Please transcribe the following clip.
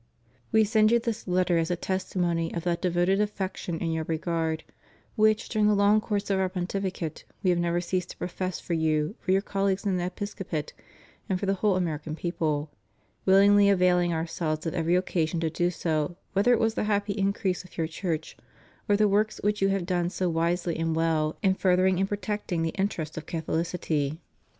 We send you this letter as a testimony of that devoted affection in your regard, which during the long course of Our Pontificate, We have never ceased to profess for you, for your colleagues in the Episcopate, and for the whole American people, willingly availing Ourselves of every occasion to do so, whether it was the happy increase of your church, or the works which you have done so wisely and well in furthering and protecting the interests of Catholicity.